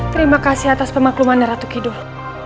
terima kasih atas pemakluman ratu kidul